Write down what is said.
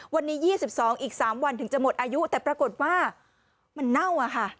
วันนี้๒๒อีก๓วันถึงจะหมดอายุแต่ปรากฏว่ามันเน่าอะค่ะ